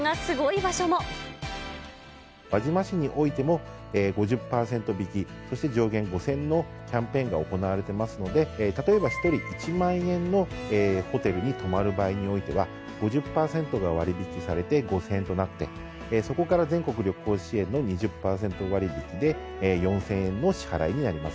輪島市においても、５０％引き、そして上限５０００円のキャンペーンが行われていますので、例えば、１人１万円のホテルに泊まる場合においては、５０％が割引されて５０００円となって、そこから全国旅行支援の２０％割引で４０００円の支払いになります。